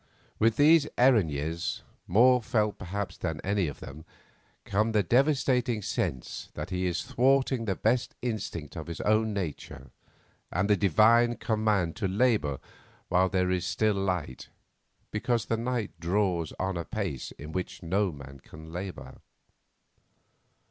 With these Erinnyes, more felt perhaps than any of them, comes the devastating sense that he is thwarting the best instinct of his own nature and the divine command to labour while there is still light, because the night draws on apace in which no man can labour.